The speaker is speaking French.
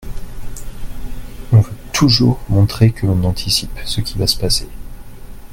On veut toujours montrer que l’on anticipe ce qui va se passer.